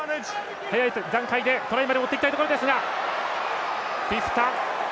早い段階でトライまで持っていきたいところです。